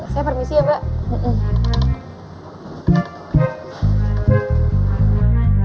saya permisi ya mbak